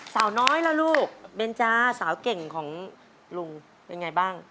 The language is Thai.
สาวน้อยล่ะลูกเบนจาสาวเก่งของลุงเป็นไงบ้าง